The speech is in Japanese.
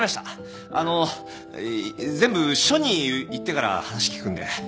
あの全部署に行ってから話聞くんで。